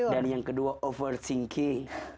dan yang kedua overthinking